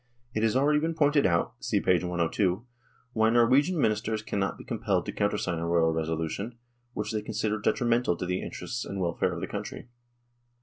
It has already been pointed out (see p. 102) why Norwegian Ministers cannot be compelled to countersign a Royal resolu tion, which they consider detrimental to the interests and welfare of the country.